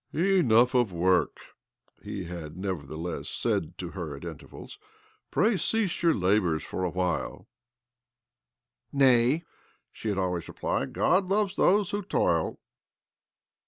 " Ejiough of work," he had nevertheless said to her at intervals, " Pray cease your labours for a while." " Nay," she had always . replied, " God loves those who toil."